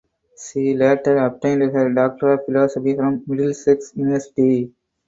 She later obtained her Doctor of Philosophy from Middlesex University.